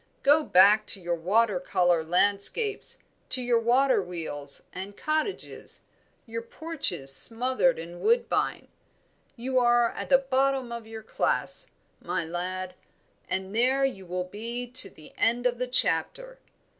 Go back to your water colour landscapes, to your water wheels and cottages, your porches smothered in woodbine; you are at the bottom of your class, my lad, and there you will be to the end of the chapter."